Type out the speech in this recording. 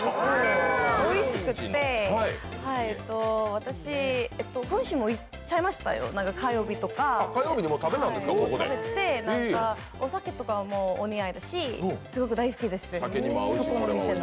私、今週も行っちゃいましたよ、火曜日とか、食べて、お酒とかにもお似合いだし、すごく大好きです。